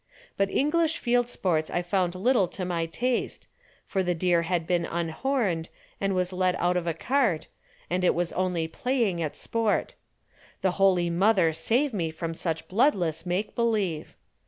But English field sports I found little to my taste, for the deer had been unhorned and was let out of a cart, and it was only playing at sport. The Holy Mother save me from such bloodless make believe!